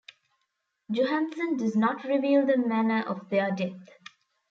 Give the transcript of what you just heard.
Johansen does not reveal the manner of their death.